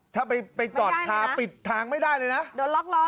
ถ้าไปจอดทางปิดทางไม่ได้เลยนะ